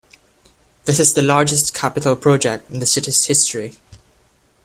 This is the largest capital project in the city's history.